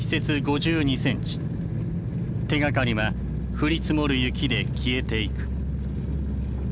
手がかりは降り積もる雪で消えていく。